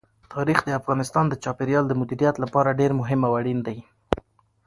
تاریخ د افغانستان د چاپیریال د مدیریت لپاره ډېر مهم او اړین دي.